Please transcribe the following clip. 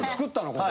ここ。